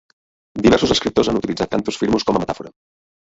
Diversos escriptors han utilitzat "cantus firmus" com a metàfora.